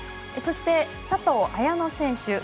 そして、佐藤綾乃選手。